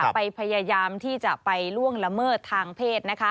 พยายามที่จะไปล่วงละเมิดทางเพศ